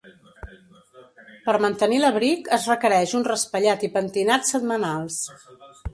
Per mantenir l'abric, es requereix un raspallat i pentinat setmanals.